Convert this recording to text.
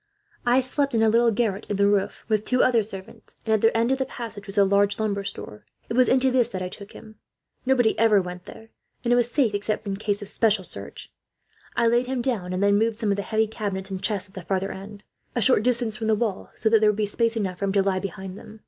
"'I slept in a little garret in the roof, with two other servants, and at the end of the passage was a large lumber store. It was into this that I took him. Nobody ever went there, and it was safe, except in case of special search. I laid him down, and then moved some of the heavy cabinets and chests, at the farther end, a short distance from the wall, so that there would be space enough for him to lie behind them.